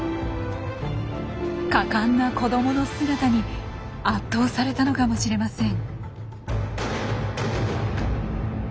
果敢な子どもの姿に圧倒されたのかもしれません。